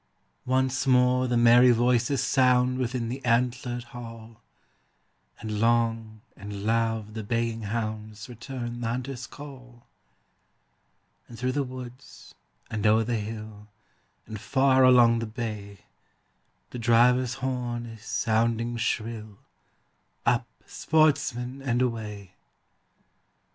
Once more the merry voices sound Within the antlered hall, And long and loud the baying hounds Return the hunter's call; And through the woods, and o'er the hill, And far along the bay, The driver's horn is sounding shrill, Up, sportsmen, and away!